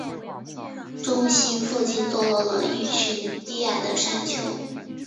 中心附近坐落了一群低矮的山丘。